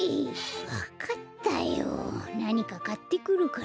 わかったよなにかかってくるから。